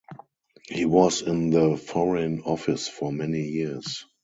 He was in the Foreign Office for many years.